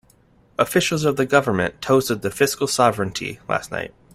Officials of the government toasted the fiscal sovereignty last night.